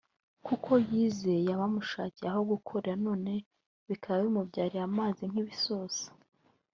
kuko yizeye abamushakiye aho gukorera none bikaba bimubyariye amazi nk’ibisusa